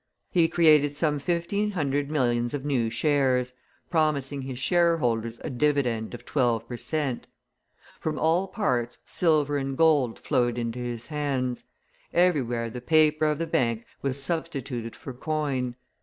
He created some fifteen hundred millions of new shares, promising his shareholders a dividend of twelve per cent. From all parts silver and gold flowed into his hands; everywhere the paper of the Bank was substituted for coin.